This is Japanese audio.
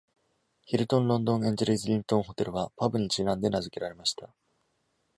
ヒルトンロンドンエンジェルイズリントンホテルは、パブにちなんで名付けられました。